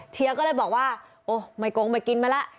เชียร์ก็เลยบอกว่าโอ้ไม่โกงไม่กินมาแล้ว